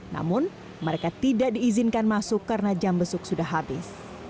namun mereka tidak diizinkan masuk karena jam besuk sudah habis